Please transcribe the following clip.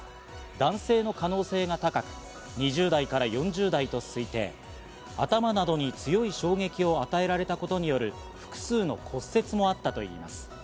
男性の可能性が高く、２０代４０代と推定、頭などに強い衝撃を与えられたことによる複数の骨折もあったといいます。